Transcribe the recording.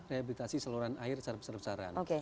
rehabilitasi saluran air secara besar besaran